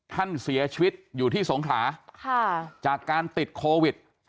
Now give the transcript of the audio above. ท่านเสียชีวิตอยู่ที่สงขลาจากการติดโควิด